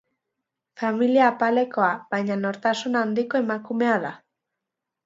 Familia apalekoa baina nortasun handiko emakumea da.